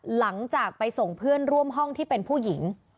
หลังจากไปส่งเพื่อนร่วมห้องที่เป็นผู้หญิง